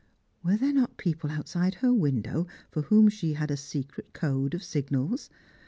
Were there not people outside her window for whom she had a secret code of signals